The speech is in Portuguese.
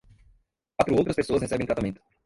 Quatro outras pessoas recebem tratamento.